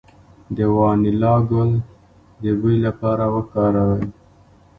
د وانیلا ګل د بوی لپاره وکاروئ